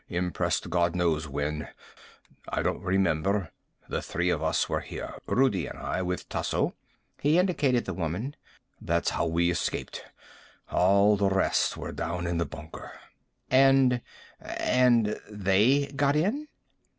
Impressed God knows when. I don't remember. The three of us were here, Rudi and I, with Tasso." He indicated the woman. "That's how we escaped. All the rest were down in the bunker." "And and they got in?"